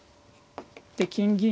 で金銀。